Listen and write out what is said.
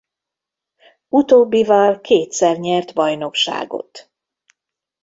Utóbbival kétszer nyert bajnokságot.